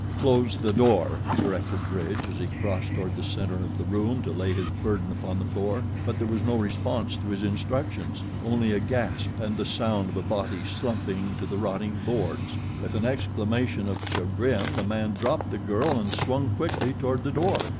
"Close the door," directed Bridge as he crossed toward the center of the room to lay his burden upon the floor, but there was no response to his instructions only a gasp and the sound of a body slumping to the rotting boards. With an exclamation of chagrin the man dropped the girl and swung quickly toward the door.